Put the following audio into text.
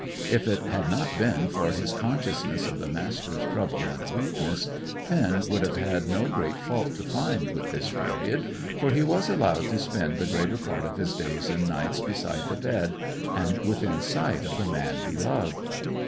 If it had not been for his consciousness of the Master's trouble and weakness, Finn would have had no great fault to find with this period, for he was allowed to spend the greater part of his days and nights beside the bed, and within sight of the man he loved.